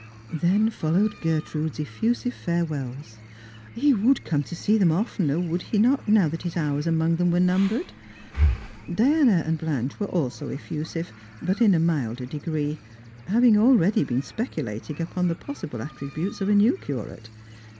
Then followed Gertrude's effusive fiirewells. He would come to see them oftener, would he not, now that his hours among them were numbered P Diana and Blanche were also efiusive, but in a milder degree, having already been speculating upon the possible attributes of a new curate.